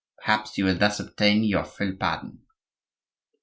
Perhaps you will thus obtain your full pardon."